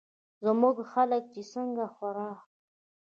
زمونږ خلک چې څنګه خوراک